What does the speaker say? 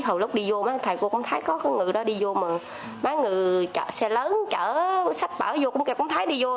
hồi lúc đi vô mấy thầy cô cũng thấy có người đó đi vô mà mấy người xe lớn chở sách bảo vô cũng thấy đi vô